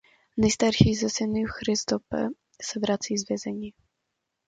Nejstarší ze synů Christophe se vrací z vězení.